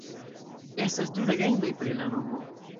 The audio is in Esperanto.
Estas du legendoj pri la nomo.